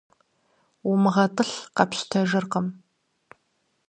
УмыгъэтӀылъ къэпщтэжыркъым.